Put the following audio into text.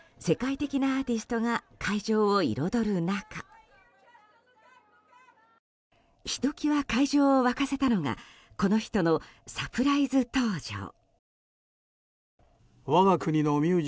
世界的なアーティストが会場を彩る中ひときわ会場を沸かせたのがこの人のサプライズ登場。